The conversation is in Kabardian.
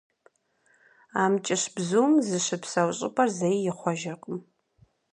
АмкӀыщ бзум зыщыпсэу щӏыпӏэр зэи ихъуэжыркъым.